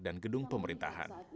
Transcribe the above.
dan gedung kawasan